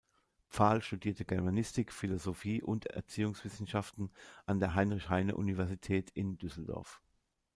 Pfahl studierte Germanistik, Philosophie und Erziehungswissenschaften an der Heinrich-Heine-Universität in Düsseldorf.